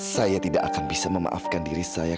saya tidak akan bisa memaafkan diri saya